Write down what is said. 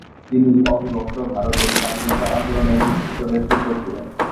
তিনি অবিভক্ত ভারতের স্বাধীনতা আন্দোলনের বিশিষ্ট ব্যক্তিত্ব ছিলেন।